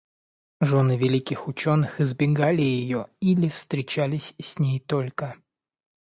Жены великих ученых избегали ее или встречались с ней только